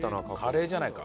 カレーじゃないか？